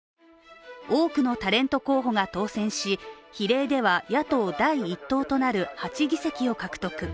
多くのタレント候補が当選し比例では野党第１党となる８議席を獲得。